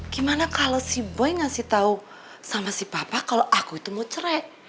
gimana kalau si boy ngasih tahu sama si papa kalau aku itu mau cerek